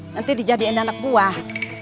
nanti dijadikan anak buah